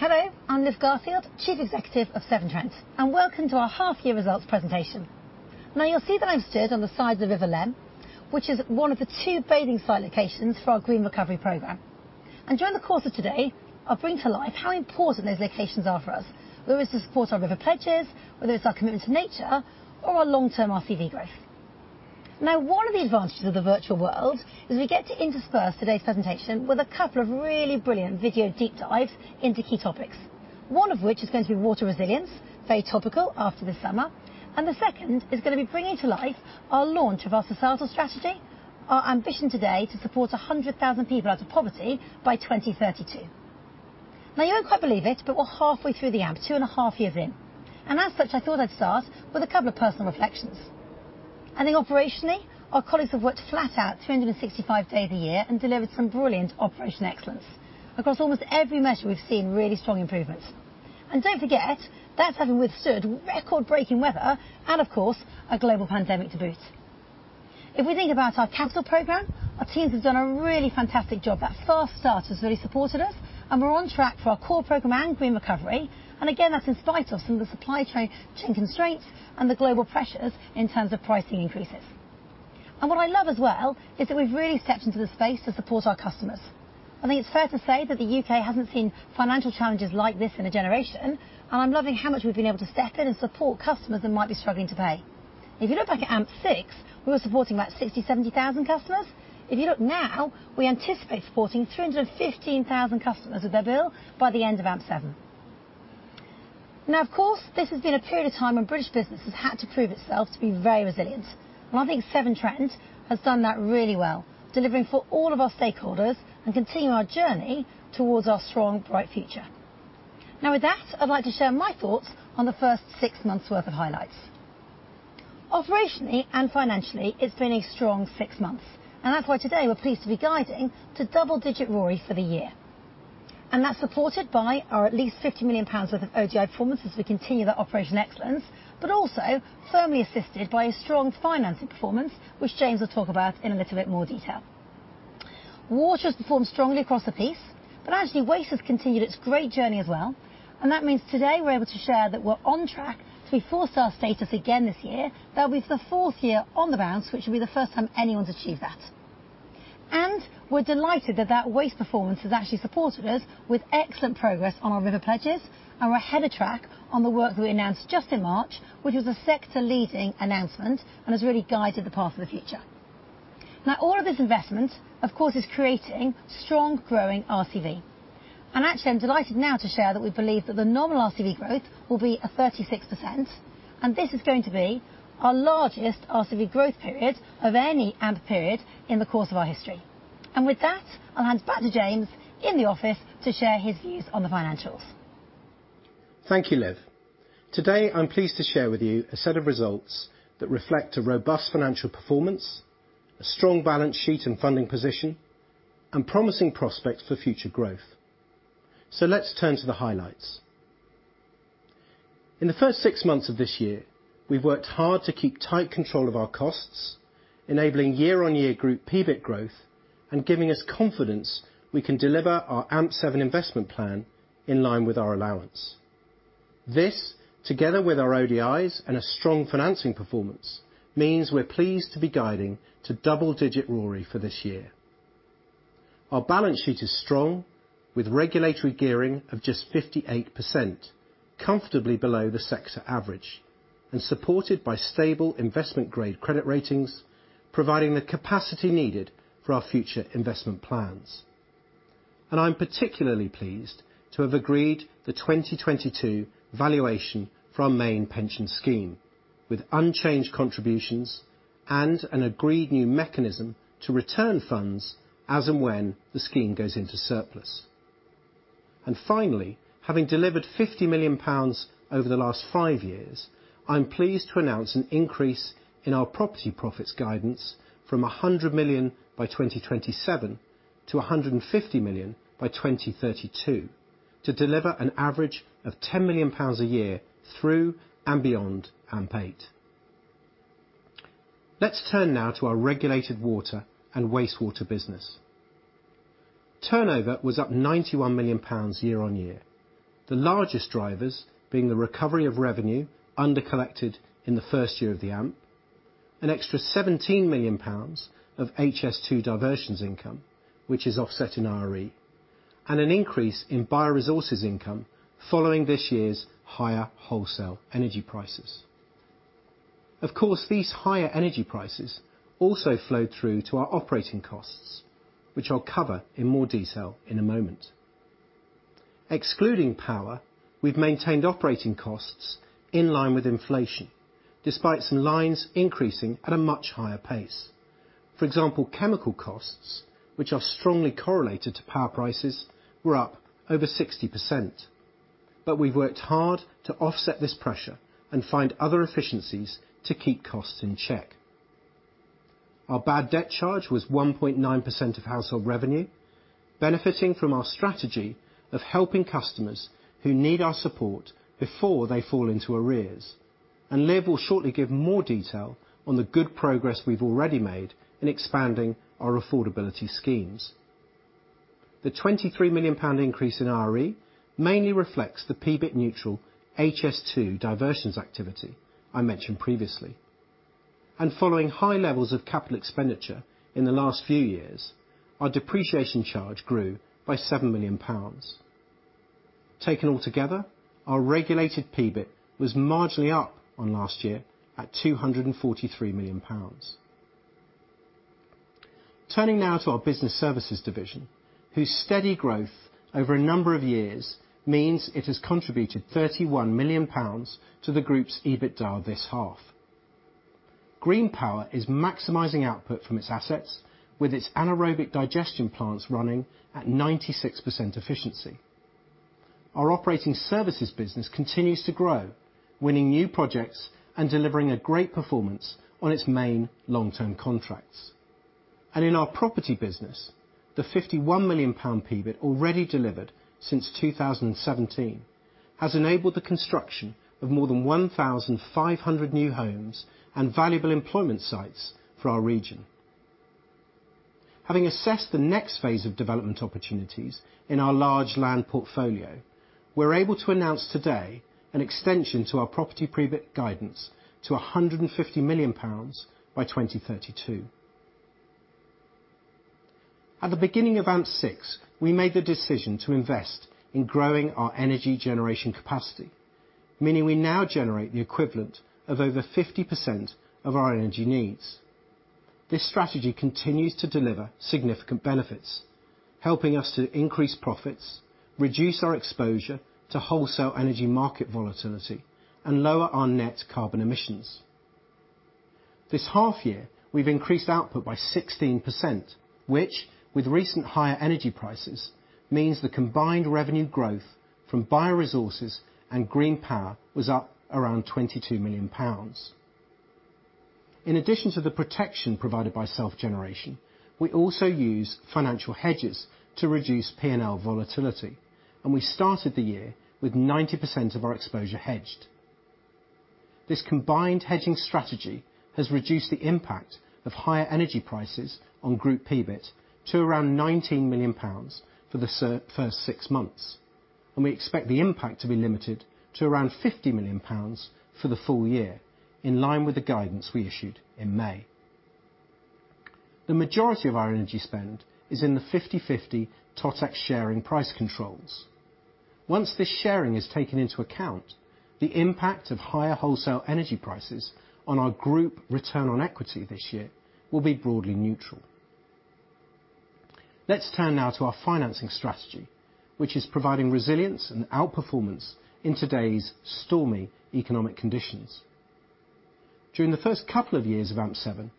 Hello, I'm Liv Garfield, Chief Executive of Severn Trent, welcome to our half year results presentation. You'll see that I'm stood on the side of the River Leam, which is one of the two bathing site locations for our Green Recovery program. During the course of today, I'll bring to life how important those locations are for us, whether it's to support our river pledges, whether it's our commitment to nature, or our long-term RCV growth. One of the advantages of the virtual world is we get to intersperse today's presentation with a couple of really brilliant video deep dives into key topics. One of which is going to be water resilience, very topical after this summer. The second is going to be bringing to life our launch of our societal strategy, our ambition today to support 100,000 people out of poverty by 2032. You won't quite believe it, we're halfway through the AMP, two and a half years in. As such, I thought I'd start with a couple of personal reflections. I think operationally, our colleagues have worked flat out 365 days a year and delivered some brilliant operational excellence. Across almost every measure we've seen really strong improvements. Don't forget, that's having withstood record-breaking weather and of course, a global pandemic to boot. If we think about our capital program, our teams have done a really fantastic job. That fast start has really supported us. We're on track for our core program and Green Recovery. Again, that's in spite of some of the supply chain constraints and the global pressures in terms of pricing increases. What I love as well is that we've really stepped into the space to support our customers. I think it's fair to say that the U.K. hasn't seen financial challenges like this in a generation, and I'm loving how much we've been able to step in and support customers that might be struggling to pay. If you look back at AMP6, we were supporting about 60,000-70,000 customers. If you look now, we anticipate supporting 315,000 customers with their bill by the end of AMP7. Of course, this has been a period of time when British business has had to prove itself to be very resilient. I think Severn Trent has done that really well, delivering for all of our stakeholders and continuing our journey towards our strong, bright future. With that, I'd like to share my thoughts on the first six months' worth of highlights. Operationally and financially, it's been a strong six months, that's why today we're pleased to be guiding to double-digit RoRE for the year. That's supported by our at least 50 million pounds worth of ODI performance as we continue that operational excellence, also firmly assisted by a strong financing performance, which James will talk about in a little bit more detail. Water has performed strongly across the piece, but actually waste has continued its great journey as well, and that means today we're able to share that we're on track to be four-star status again this year. That'll be for the fourth year on the bounce, which will be the first time anyone's achieved that. We're delighted that that waste performance has actually supported us with excellent progress on our river pledges, and we're ahead of track on the work we announced just in March, which was a sector-leading announcement and has really guided the path of the future. All of this investment, of course, is creating strong, growing RCV. Actually, I'm delighted now to share that we believe that the nominal RCV growth will be a 36%. This is going to be our largest RCV growth period of any AMP period in the course of our history. With that, I'll hand back to James in the office to share his views on the financials. Thank you, Liv. Today, I'm pleased to share with you a set of results that reflect a robust financial performance, a strong balance sheet and funding position, and promising prospects for future growth. Let's turn to the highlights. In the first six months of this year, we've worked hard to keep tight control of our costs, enabling year-on-year group PBIT growth and giving us confidence we can deliver our AMP7 investment plan in line with our allowance. This, together with our ODIs and a strong financing performance, means we're pleased to be guiding to double-digit RoRE for this year. Our balance sheet is strong, with regulatory gearing of just 58%, comfortably below the sector average, and supported by stable investment-grade credit ratings, providing the capacity needed for our future investment plans. I'm particularly pleased to have agreed the 2022 valuation for our main pension scheme, with unchanged contributions and an agreed new mechanism to return funds as and when the scheme goes into surplus. Finally, having delivered 50 million pounds over the last five years, I'm pleased to announce an increase in our property profits guidance from 100 million by 2027 to 150 million by 2032 to deliver an average of 10 million pounds a year through and beyond AMP8. Let's turn now to our regulated water and wastewater business. Turnover was up 91 million pounds year-on-year, the largest drivers being the recovery of revenue under-collected in the first year of the AMP, an extra 17 million pounds of HS2 diversions income, which is offset in RE, and an increase in bio-resources income following this year's higher wholesale energy prices. Of course, these higher energy prices also flowed through to our operating costs, which I'll cover in more detail in a moment. Excluding power, we've maintained operating costs in line with inflation, despite some lines increasing at a much higher pace. For example, chemical costs, which are strongly correlated to power prices, were up over 60%. We've worked hard to offset this pressure and find other efficiencies to keep costs in check. Our bad debt charge was 1.9% of household revenue, benefiting from our strategy of helping customers who need our support before they fall into arrears. Liv will shortly give more detail on the good progress we've already made in expanding our affordability schemes. The 23 million pound increase in RoRE mainly reflects the PBIT neutral HS2 diversions activity I mentioned previously. Following high levels of capital expenditure in the last few years, our depreciation charge grew by 7 million pounds. Taken all together, our regulated PBIT was marginally up on last year at 243 million pounds. Turning now to our business services division, whose steady growth over a number of years means it has contributed 31 million pounds to the group's EBITDA this half. Green Power is maximizing output from its assets with its anaerobic digestion plants running at 96% efficiency. Our operating services business continues to grow, winning new projects and delivering a great performance on its main long-term contracts. In our property business, the 51 million pound PBIT already delivered since 2017 has enabled the construction of more than 1,500 new homes and valuable employment sites for our region. Having assessed the next phase of development opportunities in our large land portfolio, we're able to announce today an extension to our property PBIT guidance to 150 million pounds by 2032. At the beginning of AMP6, we made the decision to invest in growing our energy generation capacity, meaning we now generate the equivalent of over 50% of our energy needs. This strategy continues to deliver significant benefits, helping us to increase profits, reduce our exposure to wholesale energy market volatility, and lower our net carbon emissions. This half year, we've increased output by 16%, which with recent higher energy prices, means the combined revenue growth from bio resources and Green Power was up around 22 million pounds. In addition to the protection provided by self-generation, we also use financial hedges to reduce P&L volatility, and we started the year with 90% of our exposure hedged. This combined hedging strategy has reduced the impact of higher energy prices on group PBIT to around 19 million pounds for the first six months. We expect the impact to be limited to around 50 million pounds for the full year, in line with the guidance we issued in May. The majority of our energy spend is in the 50/50 TotEx sharing price controls. Once this sharing is taken into account, the impact of higher wholesale energy prices on our group return on equity this year will be broadly neutral. Let's turn now to our financing strategy, which is providing resilience and outperformance in today's stormy economic conditions. During the first couple of years of AMP7,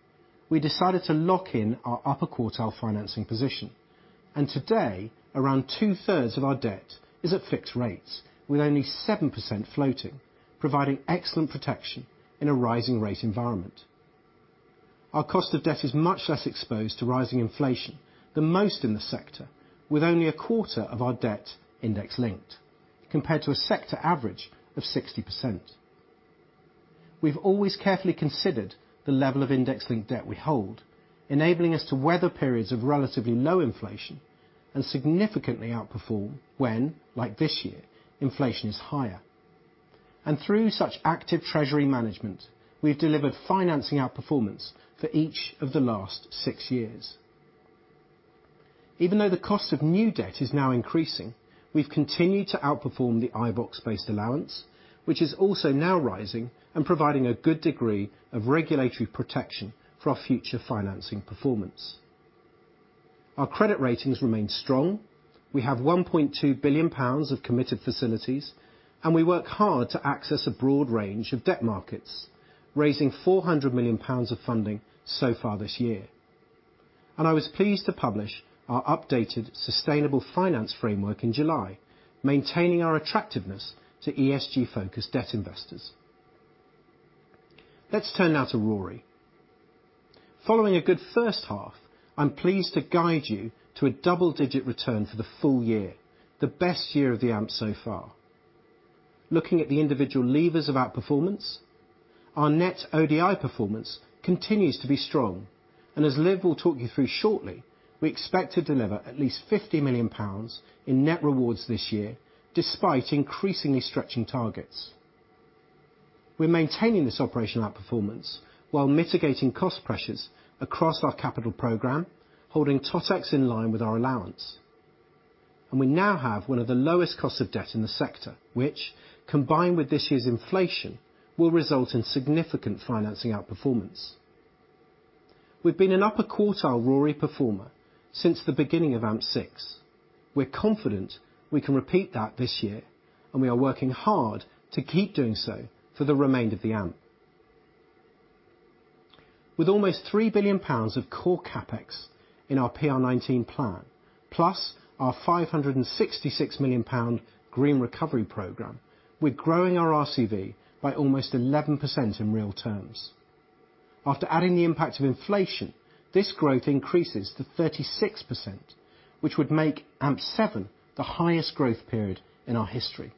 we decided to lock in our upper quartile financing position, today, around two-thirds of our debt is at fixed rates with only 7% floating, providing excellent protection in a rising rate environment. Our cost of debt is much less exposed to rising inflation than most in the sector, with only a quarter of our debt index linked, compared to a sector average of 60%. We've always carefully considered the level of index-linked debt we hold, enabling us to weather periods of relatively low inflation and significantly outperform when, like this year, inflation is higher. Through such active treasury management, we've delivered financing outperformance for each of the last six years. Even though the cost of new debt is now increasing, we've continued to outperform the iBoxx-based allowance, which is also now rising and providing a good degree of regulatory protection for our future financing performance. Our credit ratings remain strong. We have 1.2 billion pounds of committed facilities, and we work hard to access a broad range of debt markets, raising 400 million pounds of funding so far this year. I was pleased to publish our updated sustainable finance framework in July, maintaining our attractiveness to ESG-focused debt investors. Let's turn now to RoRE. Following a good first half, I'm pleased to guide you to a double-digit return for the full year, the best year of the AMP so far. Looking at the individual levers of outperformance, our net ODI performance continues to be strong. As Liv will talk you through shortly, we expect to deliver at least 50 million pounds in net rewards this year, despite increasingly stretching targets. We're maintaining this operational outperformance while mitigating cost pressures across our capital program, holding TotEx in line with our allowance. We now have one of the lowest costs of debt in the sector, which combined with this year's inflation, will result in significant financing outperformance. We've been an upper quartile RoRE performer since the beginning of AMP6. We're confident we can repeat that this year, and we are working hard to keep doing so for the remainder of the AMP. With almost 3 billion pounds of core CapEx in our PR19 plan, plus our 566 million pound Green Recovery program, we're growing our RCV by almost 11% in real terms. After adding the impact of inflation, this growth increases to 36%, which would make AMP7 the highest growth period in our history.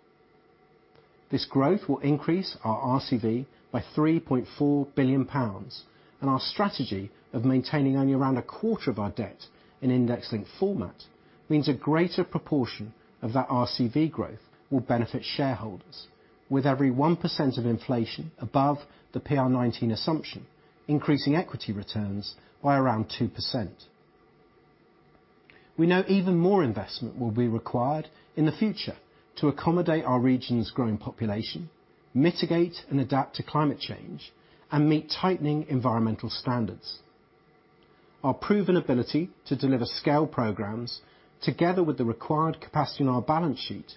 This growth will increase our RCV by 3.4 billion pounds, and our strategy of maintaining only around a quarter of our debt in index-linked format means a greater proportion of that RCV growth will benefit shareholders with every 1% of inflation above the PR19 assumption, increasing equity returns by around 2%. We know even more investment will be required in the future to accommodate our region's growing population, mitigate and adapt to climate change, and meet tightening environmental standards. Our proven ability to deliver scale programs together with the required capacity in our balance sheet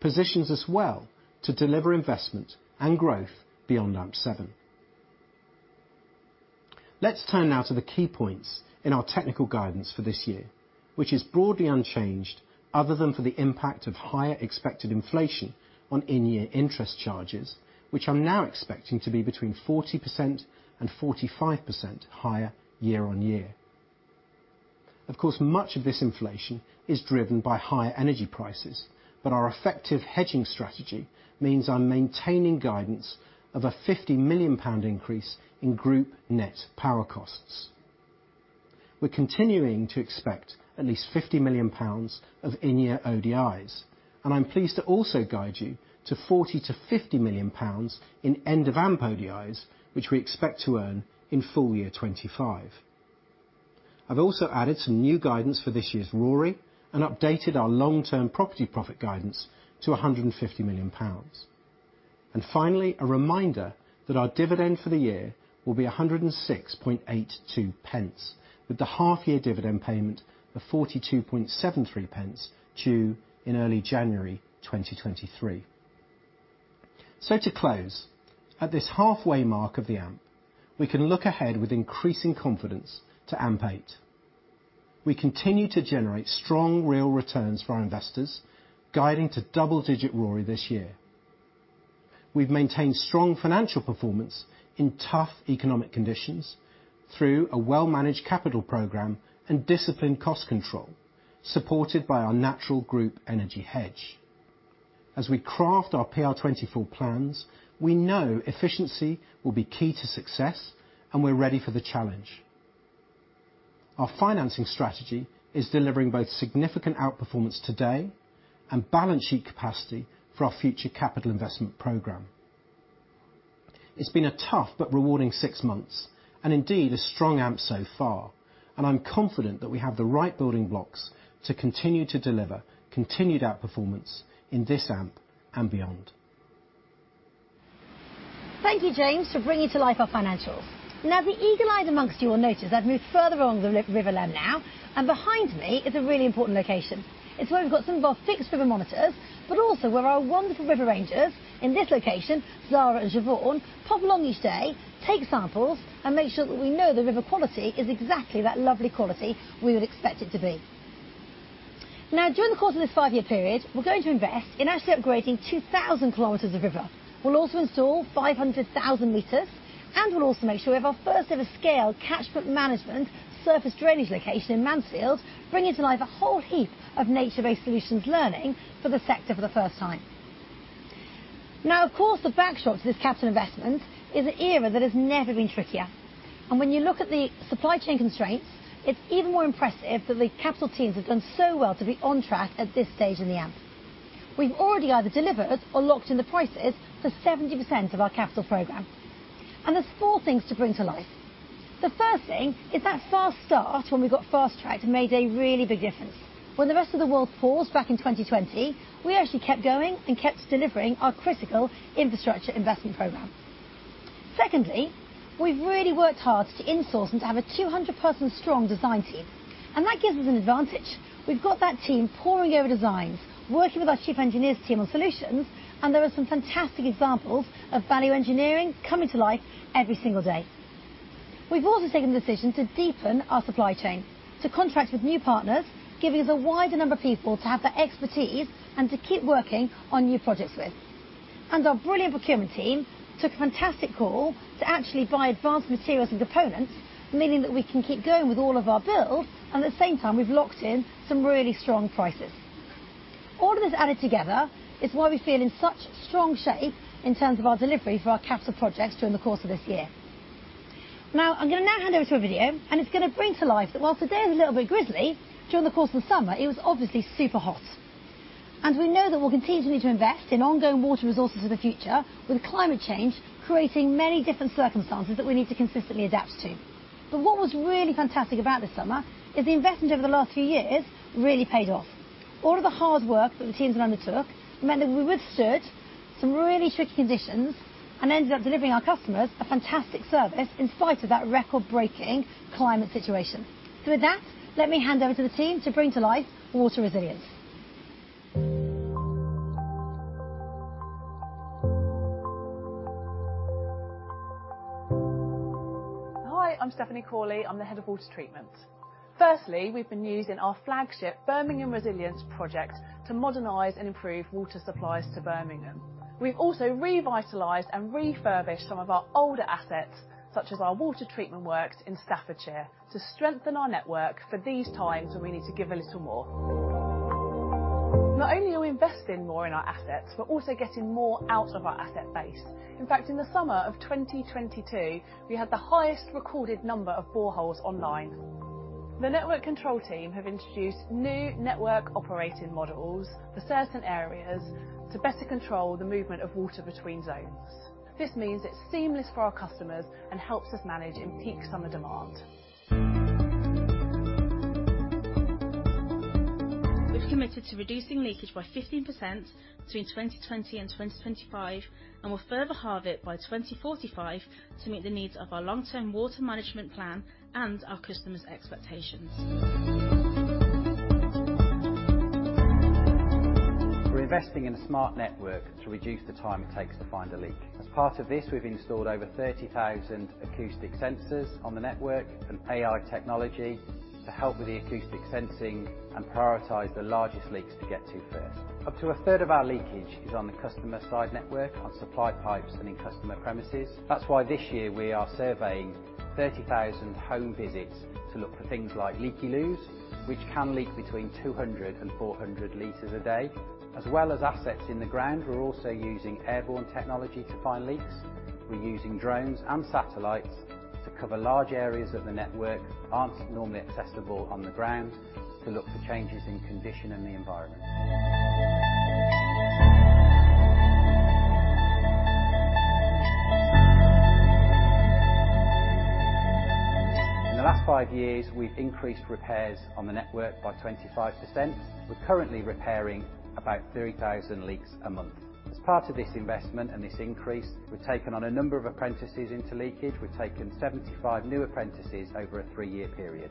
positions us well to deliver investment and growth beyond AMP7. Let's turn now to the key points in our technical guidance for this year, which is broadly unchanged other than for the impact of higher expected inflation on in-year interest charges, which I'm now expecting to be between 40% and 45% higher year-on-year. Much of this inflation is driven by higher energy prices, but our effective hedging strategy means I'm maintaining guidance of a 50 million pound increase in group net power costs. We're continuing to expect at least 50 million pounds of in-year ODIs, and I'm pleased to also guide you to 40 million-50 million pounds in end of AMP ODIs, which we expect to earn in full year 2025. I've also added some new guidance for this year's RoRE and updated our long-term property profit guidance to 150 million pounds. Finally, a reminder that our dividend for the year will be 106.82 pence, with the half year dividend payment of 42.73 pence due in early January 2023. To close, at this halfway mark of the AMP, we can look ahead with increasing confidence to AMP8. We continue to generate strong real returns for our investors, guiding to double-digit RoRE this year. We've maintained strong financial performance in tough economic conditions through a well-managed capital program and disciplined cost control, supported by our natural group energy hedge. As we craft our PR24 plans, we know efficiency will be key to success, and we're ready for the challenge. Our financing strategy is delivering both significant outperformance today and balance sheet capacity for our future capital investment program. It's been a tough but rewarding six months, and indeed a strong AMP so far, and I'm confident that we have the right building blocks to continue to deliver continued outperformance in this AMP and beyond. Thank you, James, for bringing to life our financials. The eagle-eyed amongst you will notice I've moved further along the River Leam now. Behind me is a really important location. It's where we've got some of our fixed river monitors. Also where our wonderful river rangers, in this location, Zara and Siobhan, pop along each day, take samples, and make sure that we know the river quality is exactly that lovely quality we would expect it to be. During the course of this five-year period, we're going to invest in actually upgrading 2,000 km of river. We'll also install 500,000 m. We'll also make sure we have our first ever scale catchment management surface drainage location in Mansfield, bringing to life a whole heap of nature-based solutions learning for the sector for the first time. Now, of course, the backshot to this capital investment is an era that has never been trickier. When you look at the supply chain constraints, it's even more impressive that the capital teams have done so well to be on track at this stage in the AMP. We've already either delivered or locked in the prices for 70% of our capital program. There's four things to bring to life. The first thing is that fast start when we got fast-tracked made a really big difference. When the rest of the world paused back in 2020, we actually kept going and kept delivering our critical infrastructure investment program. Secondly, we've really worked hard to insource and to have a 200-person strong design team. That gives us an advantage. We've got that team poring over designs, working with our chief engineers team on solutions. There are some fantastic examples of value engineering coming to life every single day. We've also taken the decision to deepen our supply chain, to contract with new partners, giving us a wider number of people to have the expertise and to keep working on new projects with. Our brilliant procurement team took a fantastic call to actually buy advanced materials and components, meaning that we can keep going with all of our build, and at the same time, we've locked in some really strong prices. All of this added together is why we feel in such strong shape in terms of our delivery for our capital projects during the course of this year. I'm gonna now hand over to a video, and it's gonna bring to life that whilst the day is a little bit grizzly, during the course of the summer, it was obviously super hot. We know that we'll continue to need to invest in ongoing water resources of the future with climate change creating many different circumstances that we need to consistently adapt to. What was really fantastic about this summer is the investment over the last few years really paid off. All of the hard work that the teams have undertook meant that we withstood some really tricky conditions and ended up delivering our customers a fantastic service in spite of that record-breaking climate situation. With that, let me hand over to the team to bring to life water resilience. I'm Stephanie Cawley, I'm the head of water treatment. Firstly, we've been using our flagship Birmingham Resilience Project to modernize and improve water supplies to Birmingham. We've also revitalized and refurbished some of our older assets, such as our water treatment works in Staffordshire, to strengthen our network for these times when we need to give a little more. Not only are we investing more in our assets, we're also getting more out of our asset base. In fact, in the summer of 2022, we had the highest recorded number of boreholes online. The network control team have introduced new network operating models for certain areas to better control the movement of water between zones. This means it's seamless for our customers and helps us manage in peak summer demand. We've committed to reducing leakage by 15% between 2020 and 2025, and we'll further halve it by 2045 to meet the needs of our long-term water management plan and our customers' expectations. We're investing in a smart network to reduce the time it takes to find a leak. As part of this, we've installed over 30,000 acoustic sensors on the network and AI technology to help with the acoustic sensing and prioritize the largest leaks to get to first. Up to a third of our leakage is on the customer side network, on supply pipes and in customer premises. That's why this year we are surveying 30,000 home visits to look for things like leaky loos, which can leak between 200 and 400 liters a day. As well as assets in the ground, we're also using airborne technology to find leaks. We're using drones and satellites to cover large areas of the network that aren't normally accessible on the ground to look for changes in condition and the environment. In the last five years, we've increased repairs on the network by 25%. We're currently repairing about 3,000 leaks a month. As part of this investment and this increase, we've taken on a number of apprentices into leakage. We've taken 75 new apprentices over a three-year period.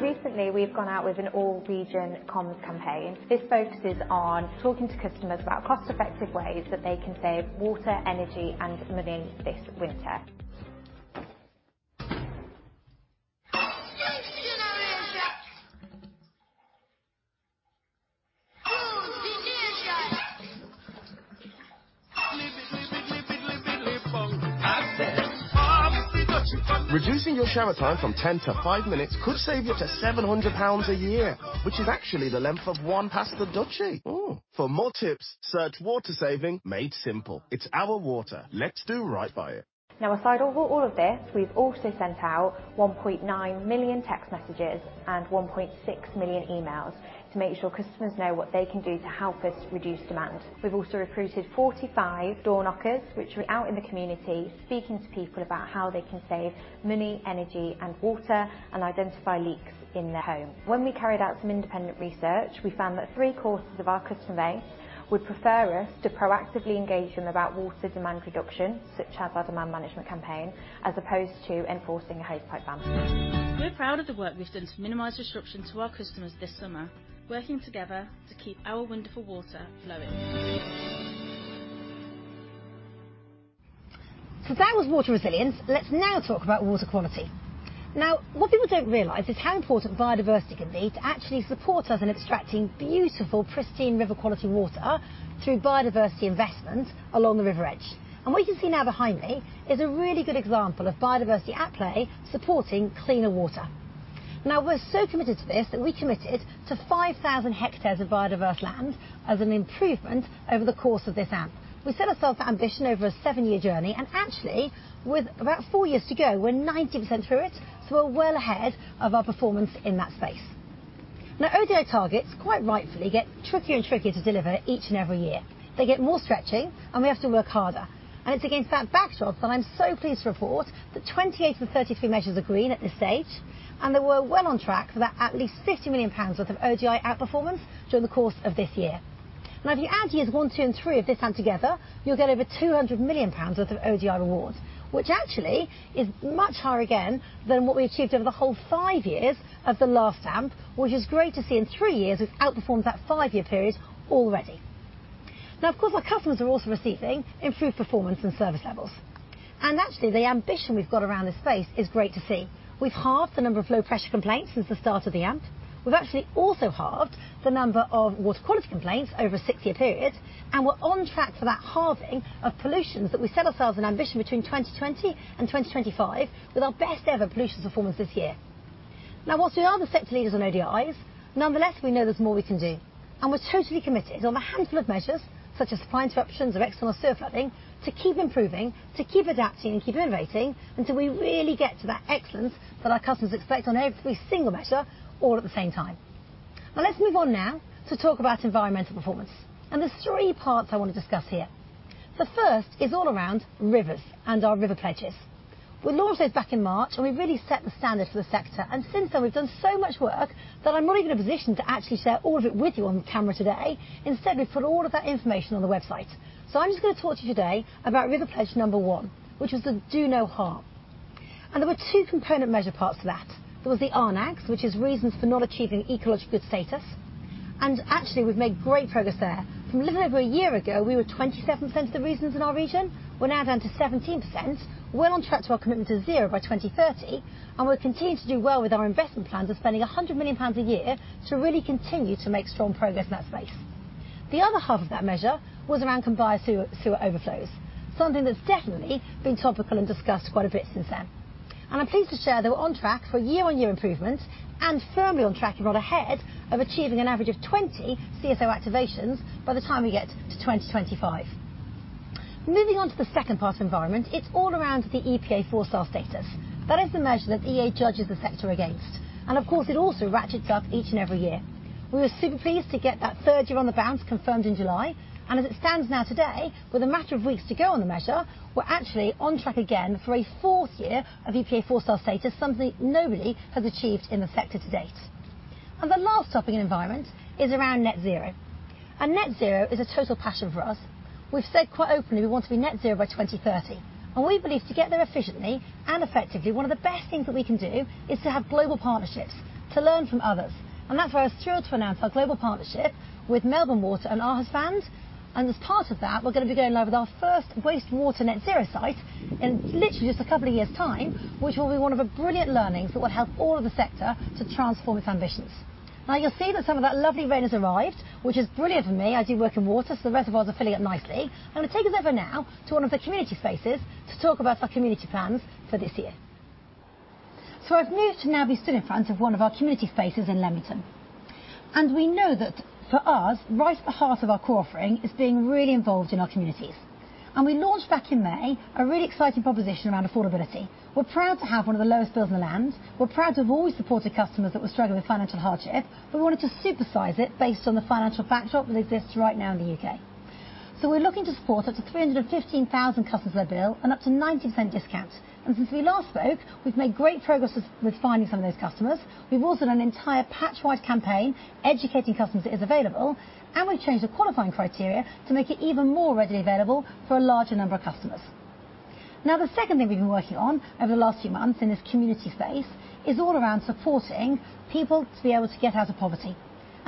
Recently, we've gone out with an all-region comms campaign. This focuses on talking to customers about cost-effective ways that they can save water, energy, and money this winter. Reducing your shower time from 10 to 5 minutes could save you up to 700 pounds a year, which is actually the length of one Pass the Dutchie. Ooh. For more tips, search water saving made simple. It's our water. Let's do right by it. Aside all of this, we've also sent out 1.9 million text messages and 1.6 million emails to make sure customers know what they can do to help us reduce demand. We've also recruited 45 door knockers, which are out in the community speaking to people about how they can save money, energy and water, and identify leaks in their home. When we carried out some independent research, we found that three-quarters of our customer base would prefer us to proactively engage them about water demand reduction, such as our demand management campaign, as opposed to enforcing a hosepipe ban. We're proud of the work we've done to minimize disruption to our customers this summer, working together to keep our wonderful water flowing. That was water resilience. Let's now talk about water quality. What people don't realize is how important biodiversity can be to actually support us in extracting beautiful, pristine river-quality water through biodiversity investment along the river edge. What you can see now behind me is a really good example of biodiversity at play, supporting cleaner water. We're so committed to this that we committed to 5,000 hectares of biodiverse land as an improvement over the course of this AMP. We set ourselves ambition over a seven-year journey, and actually, with about four years to go, we're 90% through it, so we're well ahead of our performance in that space. ODI targets, quite rightfully, get trickier and trickier to deliver each and every year. They get more stretchy, and we have to work harder. It's against that backdrop that I'm so pleased to report that 28 of the 33 measures are green at this stage, and that we're well on track for about at least 50 million pounds worth of ODI outperformance during the course of this year. If you add years one, two, and three of this AMP together, you'll get over 200 million pounds worth of ODI rewards, which actually is much higher again than what we achieved over the whole five years of the last AMP, which is great to see in three years we've outperformed that five-year period already. Of course, our customers are also receiving improved performance and service levels. Actually, the ambition we've got around this space is great to see. We've halved the number of low-pressure complaints since the start of the AMP. We've actually also halved the number of water quality complaints over a six-year period. We're on track for that halving of pollutions that we set ourselves an ambition between 2020 and 2025 with our best ever pollution performance this year. Now, whilst we are the sector leaders on ODIs, nonetheless, we know there's more we can do. We're totally committed on a handful of measures, such as supply interruptions or external sewer flooding, to keep improving, to keep adapting and keep innovating until we really get to that excellence that our customers expect on every single measure all at the same time. Let's move on now to talk about environmental performance. There's three parts I wanna discuss here. The first is all around rivers and our river pledges. We launched those back in March. We've really set the standard for the sector. Since then, we've done so much work that I'm not even in a position to actually share all of it with you on camera today. Instead, we've put all of that information on the website. I'm just gonna talk to you today about river pledge number one, which was to do no harm. There were two component measure parts to that. There was the RNAGs, which is reasons for not achieving ecological good status. Actually, we've made great progress there. From a little over a year ago, we were at 27% of the reasons in our region. We're now down to 17%. We're on track to our commitment to 0% by 2030, and we're continuing to do well with our investment plans of spending 100 million pounds a year to really continue to make strong progress in that space. The other half of that measure was around combined sewer overflows. Something that's definitely been topical and discussed quite a bit since then. I'm pleased to share that we're on track for year-on-year improvement and firmly on track, if not ahead, of achieving an average of 20 CSO activations by the time we get to 2025. Moving on to the second part environment, it's all around the EPA four-star status. That is the measure that EA judges the sector against. Of course, it also ratchets up each and every year. We were super pleased to get that third year on the bounce confirmed in July, and as it stands now today, with a matter of weeks to go on the measure, we're actually on track again for a fourth year of EPA four-star status, something nobody has achieved in the sector to date. The last topic in environment is around net zero. Net zero is a total passion for us. We've said quite openly we want to be net zero by 2030, and we believe to get there efficiently and effectively, one of the best things that we can do is to have global partnerships to learn from others. That's why I was thrilled to announce our global partnership with Melbourne Water and Aarhus Vand. As part of that, we're gonna be going live with our first wastewater net zero site in literally just a couple of years' time, which will be one of the brilliant learnings that will help all of the sector to transform its ambitions. You'll see that some of that lovely rain has arrived, which is brilliant for me. I do work in water, so the reservoirs are filling up nicely. I'm gonna take us over now to one of the community spaces to talk about our community plans for this year. I've moved to now be stood in front of one of our community spaces in Leamington. We know that for us, right at the heart of our core offering is being really involved in our communities. We launched back in May a really exciting proposition around affordability. We're proud to have one of the lowest bills in the land. We're proud to have always supported customers that were struggling with financial hardship. We wanted to supersize it based on the financial backdrop that exists right now in the U.K. We're looking to support up to 315,000 customers their bill and up to 90% discount. Since we last spoke, we've made great progress with finding some of those customers. We've also done an entire patch-wide campaign educating customers that it is available. We've changed the qualifying criteria to make it even more readily available for a larger number of customers. Now, the second thing we've been working on over the last few months in this community space is all around supporting people to be able to get out of poverty.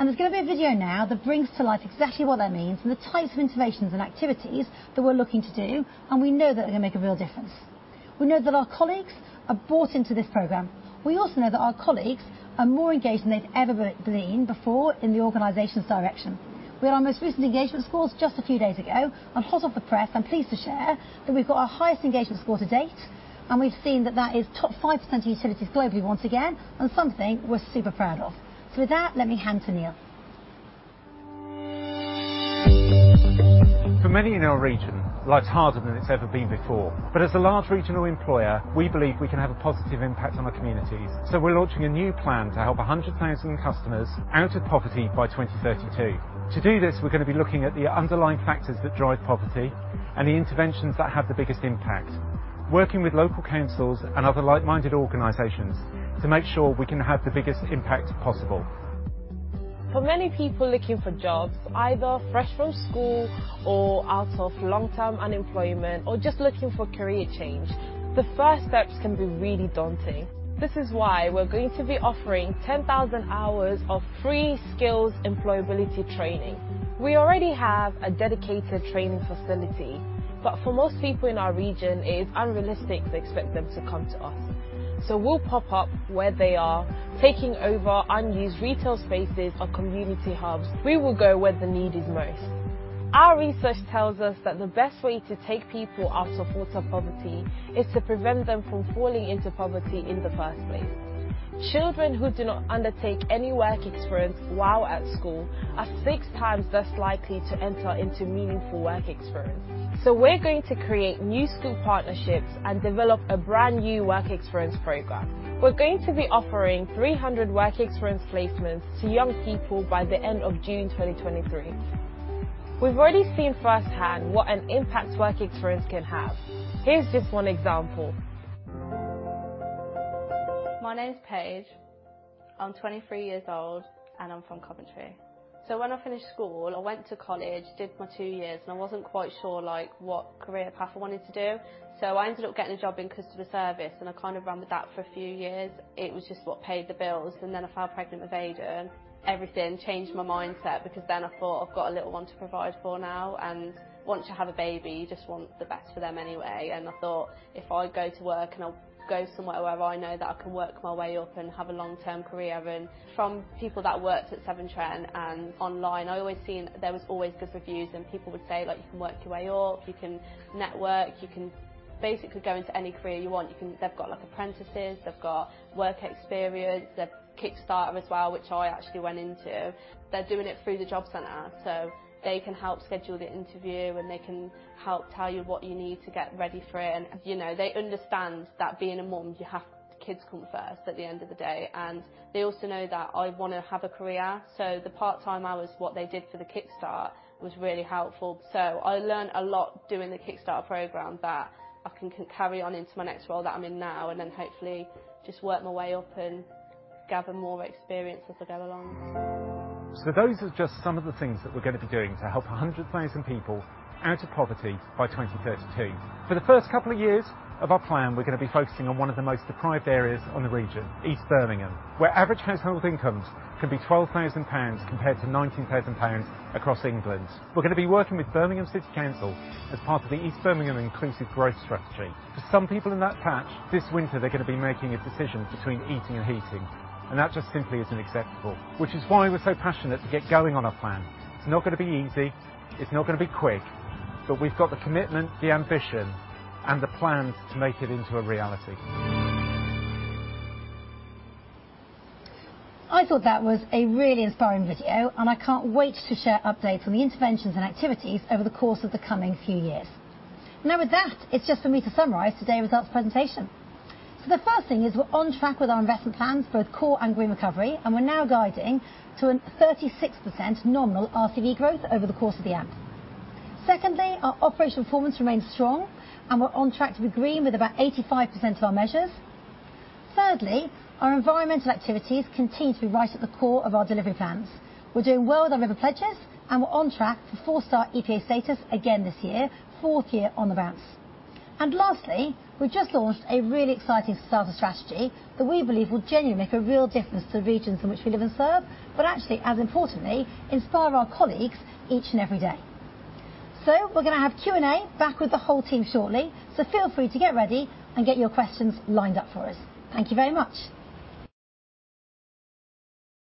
There's gonna be a video now that brings to life exactly what that means and the types of innovations and activities that we're looking to do, and we know that they're gonna make a real difference. We know that our colleagues have bought into this program. We also know that our colleagues are more engaged than they've ever been before in the organization's direction. We had our most recent engagement scores just a few days ago, and hot off the press, I'm pleased to share that we've got our highest engagement score to date, and we've seen that that is top 5% of utilities globally once again, and something we're super proud of. With that, let me hand to Neil. For many in our region, life's harder than it's ever been before. As a large regional employer, we believe we can have a positive impact on our communities. We're launching a new plan to help 100,000 customers out of poverty by 2032. To do this, we're gonna be looking at the underlying factors that drive poverty and the interventions that have the biggest impact. Working with local councils and other like-minded organizations to make sure we can have the biggest impact possible. For many people looking for jobs, either fresh from school or out of long-term unemployment or just looking for a career change, the first steps can be really daunting. This is why we're going to be offering 10,000 hours of free skills employability training. We already have a dedicated training facility, but for most people in our region, it is unrealistic to expect them to come to us. We'll pop up where they are, taking over unused retail spaces or community hubs. We will go where the need is most. Our research tells us that the best way to take people out of poverty is to prevent them from falling into poverty in the first place. Children who do not undertake any work experience while at school are 6x less likely to enter into meaningful work experience. We're going to create new school partnerships and develop a brand-new work experience program. We're going to be offering 300 work experience placements to young people by the end of June 2023. We've already seen firsthand what an impact work experience can have. Here's just one example. My name's Paige. I'm 23 years old. I'm from Coventry. When I finished school, I went to college, did my two years. I wasn't quite sure, like, what career path I wanted to do. I ended up getting a job in customer service. I kind of ran with that for a few years. It was just what paid the bills. I fell pregnant with Aiden. Everything changed my mindset because then I thought, I've got a little one to provide for now. Once you have a baby, you just want the best for them anyway. I thought, if I go to work and I'll go somewhere where I know that I can work my way up and have a long-term career in. From people that worked at Severn Trent and online, I always seen there was always good reviews and people would say, like, you can work your way up, you can network, you can basically go into any career you want. They've got, like, apprentices, they've got work experience, the Kickstarter as well, which I actually went into. They're doing it through the job center, they can help schedule the interview, and they can help tell you what you need to get ready for it. You know, they understand that being a mum, kids come first at the end of the day. They also know that I wanna have a career, so the part-time hours, what they did for the Kickstart was really helpful. I learned a lot doing the Kickstart Scheme that I can carry on into my next role that I'm in now and then hopefully just work my way up and gather more experience as I go along. Those are just some of the things that we're gonna be doing to help 100,000 people out of poverty by 2032. For the first couple of years of our plan, we're gonna be focusing on one of the most deprived areas on the region, East Birmingham, where average household incomes can be 12,000 pounds compared to 19,000 pounds across England. We're gonna be working with Birmingham City Council as part of the East Birmingham Inclusive Growth Strategy. For some people in that patch, this winter, they're gonna be making a decision between eating and heating, that just simply isn't acceptable, which is why we're so passionate to get going on our plan. It's not gonna be easy. It's not gonna be quick. We've got the commitment, the ambition, and the plans to make it into a reality. I thought that was a really inspiring video, and I can't wait to share updates on the interventions and activities over the course of the coming few years. With that, it's just for me to summarize today's results presentation. The first thing is we're on track with our investment plans, both core and Green Recovery, and we're now guiding to a 36% nominal RCV growth over the course of the year. Secondly, our operational performance remains strong, and we're on track to be green with about 85% of our measures. Thirdly, our environmental activities continue to be right at the core of our delivery plans. We're doing well with our river pledges, and we're on track for four-star EPA status again this year, fourth year on the bounce. Lastly, we just launched a really exciting societal strategy that we believe will genuinely make a real difference to the regions in which we live and serve, but actually, as importantly, inspire our colleagues each and every day. We're going to have Q&A back with the whole team shortly, so feel free to get ready and get your questions lined up for us. Thank you very much.